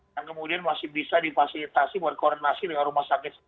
yang kemudian masih bisa difasilitasi untuk koordinasi dengan rumah sakit sehat